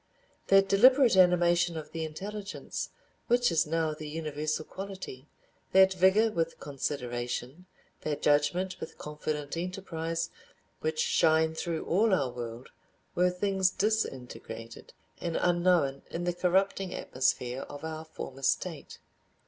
That deliberate animation of the intelligence which is now the universal quality, that vigor with consideration, that judgment with confident enterprise which shine through all our world, were things disintegrated and unknown in the corrupting atmosphere of our former state.